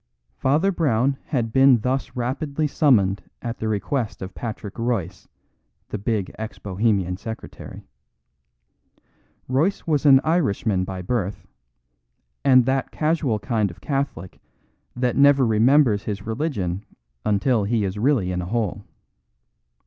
Father Brown had been thus rapidly summoned at the request of Patrick Royce, the big ex Bohemian secretary. Royce was an Irishman by birth; and that casual kind of Catholic that never remembers his religion until he is really in a hole.